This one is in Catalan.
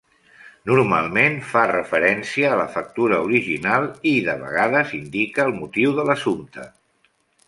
Normalment fa referència a la factura original i, de vegades, indica el motiu de l'assumpte.